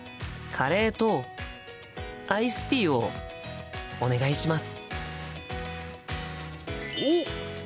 「カレーとアイスティーをお願いします」。